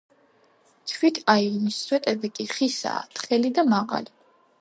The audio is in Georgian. თვით აივნის სვეტები კი ხისაა, თხელი და მაღალი.